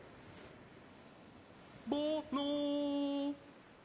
・ぼの！